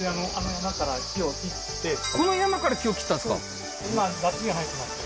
この山から木を切ったんですか？